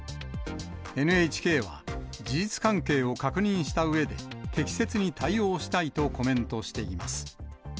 ＮＨＫは、事実関係を確認したうえで、適切に対応したいとコメントしています。